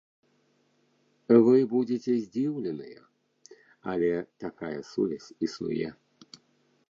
Вы будзеце здзіўленыя, але такая сувязь існуе.